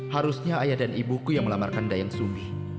harusnya ayah dan ibuku yang melamarkan dayeng sumbi